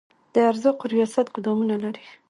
د ارزاقو ریاست ګدامونه لري؟